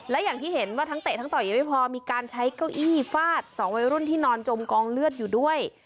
และอย่างที่เห็นว่าทั้งเตะทั้งต่อยยังไม่พอมีการใช้เก้าอี้ฟาดสองวัยรุ่นที่นอนจมกองเลือดอยู่ด้วย